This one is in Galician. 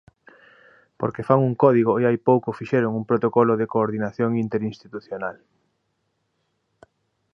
Porque fan un código e hai pouco fixeron un protocolo de coordinación interinstitucional.